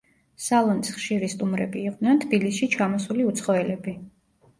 სალონის ხშირი სტუმრები იყვნენ თბილისში ჩამოსული უცხოელები.